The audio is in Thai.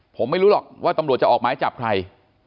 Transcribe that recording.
ผมไม่รู้หรอกว่าตำรวจจะออกหมายจับใคร